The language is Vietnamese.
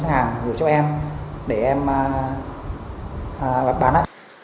các ngân hàng gửi cho em để em bán